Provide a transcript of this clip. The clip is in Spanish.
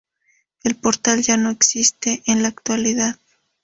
El portal ya no existe en la actualidad.